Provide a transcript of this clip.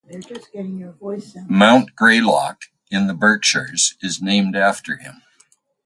Mount Greylock in the Berkshires is named after him.